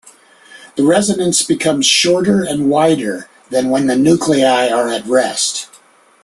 The resonance becomes shorter and wider than when the nuclei are at rest.